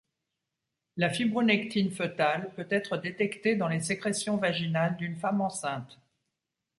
La fibronectine fœtale peut être détectée dans les sécrétions vaginales d'une femme enceinte.